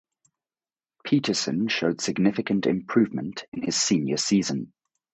Peterson showed significant improvement in his senior season.